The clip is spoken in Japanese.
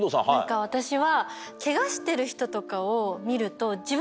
私は。